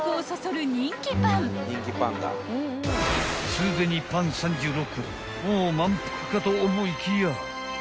［すでにパン３６個もう満腹かと思いきや］